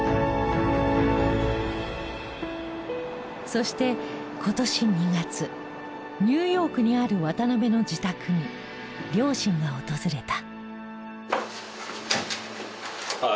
そして今年２月ニューヨークにある渡邊の自宅に両親が訪れた。